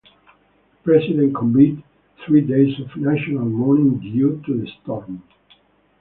The president conveyed three days of national mourning due to the storm.